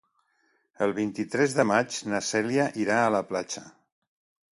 El vint-i-tres de maig na Cèlia irà a la platja.